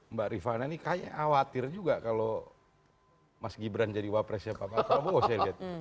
mbak rifana ini kayaknya khawatir juga kalau mas gibran jadi wapresnya pak prabowo saya lihat